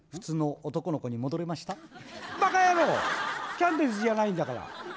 キャンディーズじゃないんだから。